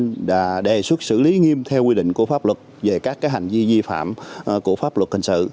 công an thành phố đã đề xuất xử lý nghiêm theo quy định của pháp luật về các hành vi di phạm của pháp luật hình sự